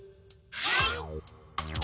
はい。